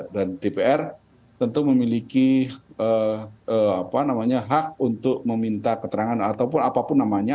dan dpr tentu memiliki hak untuk meminta keterangan ataupun apapun namanya